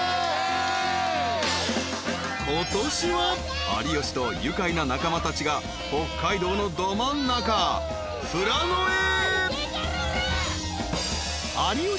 ［今年は有吉と愉快な仲間たちが北海道のど真ん中富良野へ］